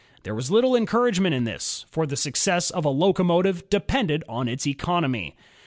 There was little encouragement in this, for the success of the locomotive depended on its economy.